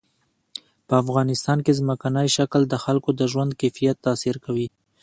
په افغانستان کې ځمکنی شکل د خلکو د ژوند کیفیت تاثیر کوي.